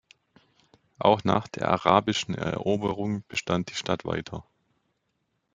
Auch nach der arabischen Eroberung bestand die Stadt weiter.